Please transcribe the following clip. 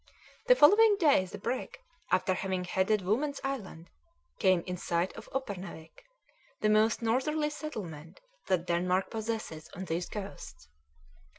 The following day the brig, after having headed Woman's Island, came in sight of Uppernawik, the most northerly settlement that Denmark possesses on these coasts.